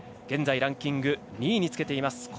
現在ランキング２位につけています。